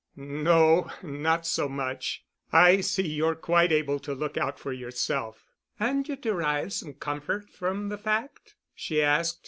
"No—not so much. I see you're quite able to look out for yourself." "And you derive some comfort from the fact?" she asked.